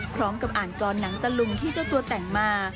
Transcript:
พร้อมกับอ่านกรหนังตะลุงที่เจ้าตัวแต่งมา